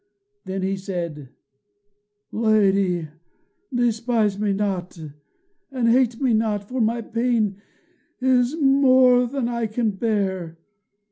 Then he said: "Lady, despise me not, and hate me not, for my pain is more than I can bear.